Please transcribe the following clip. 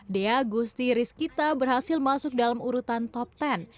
dea gusti rizkita berhasil masuk dalam urutan top sepuluh